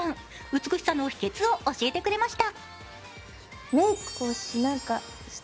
美しさの秘けつを教えてくれました。